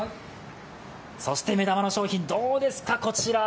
目玉の商品、どうですか、こちら！